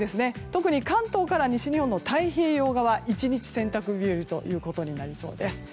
特に関東から西日本の太平洋側は１日、洗濯日和となりそうです。